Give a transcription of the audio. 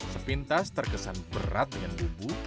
sepintas terkesan berat dengan bumbu